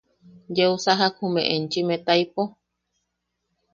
¿Yeu sajak jume enchim etaipo?